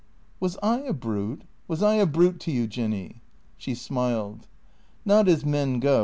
" Was I a brute ? Was I a brute to you. Jinny ?" She smiled. " Not as men go.